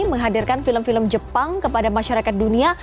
menghadirkan film film jepang kepada masyarakat dunia